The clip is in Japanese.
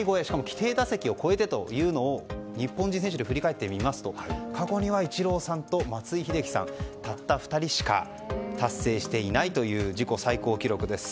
規定打席を超えてというのを日本人選手で振り返ってみますと過去には、イチローさんと松井秀喜さん、たった２人しか達成していないという自己最高記録です。